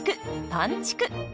「パンちく」。